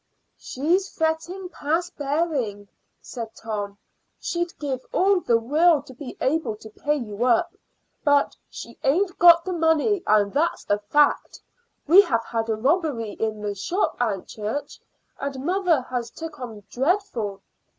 "She's fretting past bearing," said Tom. "She'd give all the world to be able to pay you up, but she ain't got the money, and that's a fact. We have had a robbery in the shop, Aunt Church, and mother has took on dreadful."